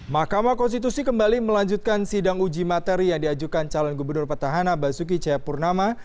mahkamah konstitusi kembali melanjutkan sidang uji materi yang diajukan calon gubernur petahana basuki cahayapurnama